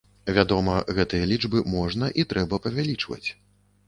Вядома, гэтыя лічбы можна і трэба павялічваць.